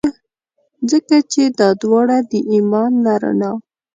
ځکه چي دا داوړه د ایمان له رڼا.